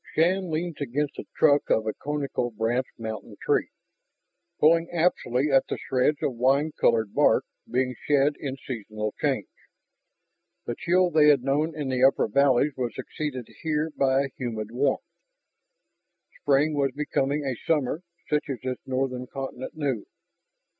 Shann leaned against the trunk of a conical branched mountain tree, pulling absently at the shreds of wine colored bark being shed in seasonal change. The chill they had known in the upper valleys was succeeded here by a humid warmth. Spring was becoming a summer such as this northern continent knew.